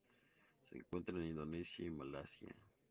Se encuentran en Indonesia, y Malasia.